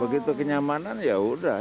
begitu kenyamanan ya udah